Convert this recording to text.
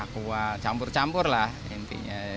kuah campur campur lah intinya